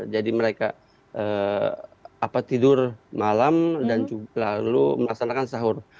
jadi mereka tidur malam dan lalu merasakan sahur